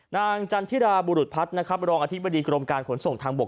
นางจันทิราบุรุฑัภรรณ์รองอาทิบดีกรมการขนส่งทางบก